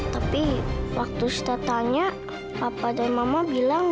tapi waktu saya tanya papa dan mama bilang